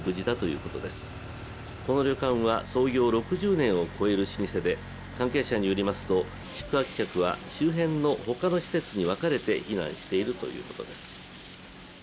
この旅館は創業６０年を超える老舗で、関係者によりますと、宿泊客は周辺の他の施設に分かれて避難しているということです。